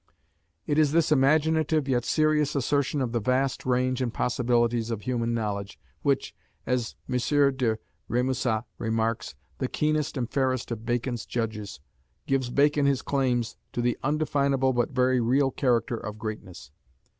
It is this imaginative yet serious assertion of the vast range and possibilities of human knowledge which, as M. de Rémusat remarks the keenest and fairest of Bacon's judges gives Bacon his claim to the undefinable but very real character of greatness.